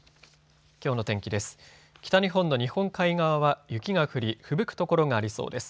きょうの天気です。